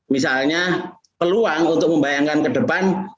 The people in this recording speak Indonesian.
misalnya peluang untuk membayangkan ke depan